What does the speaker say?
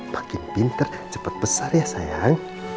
makin pintar cepet besar ya sayang